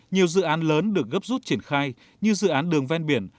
nhiều dự án lớn được gấp rút triển khai như dự án đường ven biển